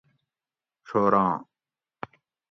چھوراں